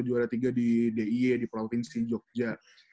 juara tiga di di di provinsi jogja